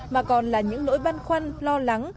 mà còn là những nỗi băn khoăn lo lắng